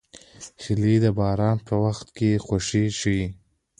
هیلۍ د باران په وخت خوښي ښيي